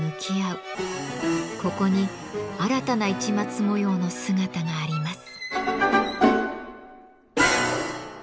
ここに新たな市松模様の姿があります。